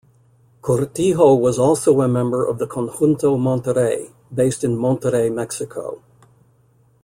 Cortijo was also a member of the Conjunto Monterrey, based in Monterrey, Mexico.